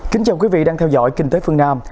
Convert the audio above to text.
kính chào quý vị đang theo dõi kinh tế phương nam